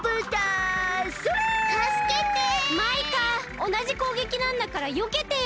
おなじこうげきなんだからよけてよ！